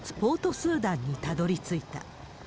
スーダンにたどりついた。